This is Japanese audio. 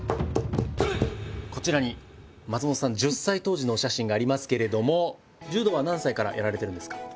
こちらに松本さん１０歳当時のお写真がありますけれども柔道は何歳からやられてるんですか？